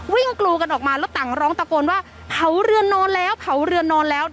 กรูกันออกมาแล้วต่างร้องตะโกนว่าเผาเรือนนอนแล้วเผาเรือนนอนแล้ว